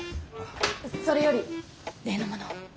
それより例のものを。